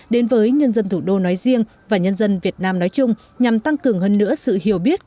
đến với nhân dân thủ đô nói riêng và nhân dân việt nam nói chung nhằm tăng cường hơn nữa sự hiểu biết